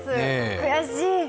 悔しい。